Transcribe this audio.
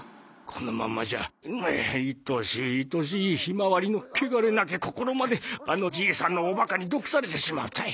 このまんまじゃ愛しい愛しいひまわりの汚れなき心まであのじいさんのおバカに毒されてしまうたい。